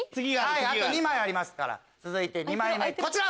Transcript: あと２枚ありますから続いて２枚目こちら。